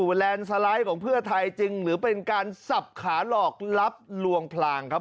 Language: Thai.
แลนด์สไลด์ของเพื่อไทยจริงหรือเป็นการสับขาหลอกลับลวงพลางครับ